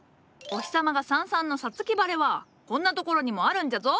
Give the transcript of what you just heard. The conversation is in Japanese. お日様がさんさんの五月晴れはこんなところにもあるんじゃぞ。